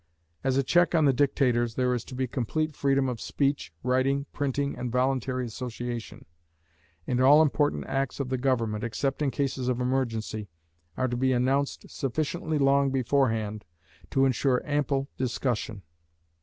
As a check on the dictators, there is to be complete freedom of speech, writing, printing, and voluntary association; and all important acts of the government, except in cases of emergency, are to be announced sufficiently long beforehand to ensure ample discussion.